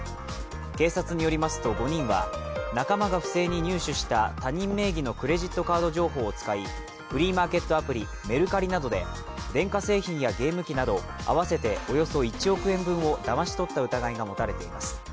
警察によりますと、５人は仲間が不正に入手した他人名義のクレジットカード情報を使い、フリーマーケットアプリメルカリなどで電化製品やゲーム機など、合わせておよそ１億円分をだまし取った疑いが持たれています。